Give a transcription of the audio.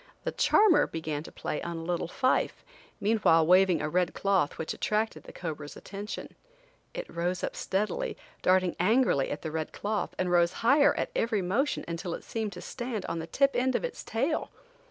The "charmer" began to play on a little fife, meanwhile waving a red cloth which attracted the cobra's attention. It rose up steadily, darting angrily at the red cloth, and rose higher at every motion until it seemed to stand on the tip end of its tail.